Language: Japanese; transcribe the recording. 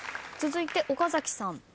続いて岡崎さん。